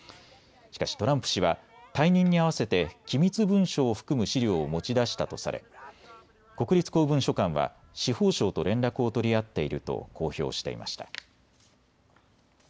しかしトランプ氏は退任にあわせて機密文書を含む資料を持ち出したとされ国立公文書館は司法省と連絡を取り合っていると公表していました。